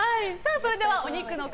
それではお肉の塊